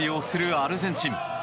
アルゼンチン。